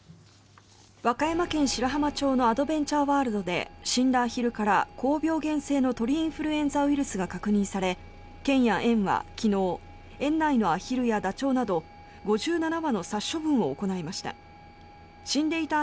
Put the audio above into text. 和歌山県白浜町のアドベンチャーワールドで死んだアヒルから高病原性の鳥インフルエンザウイルスが確認され県や園は昨日園内のアヒルやダチョウなど５７羽の殺処分を行いました。